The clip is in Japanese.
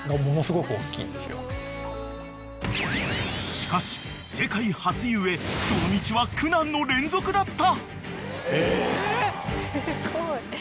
［しかし世界初故その道は苦難の連続だった］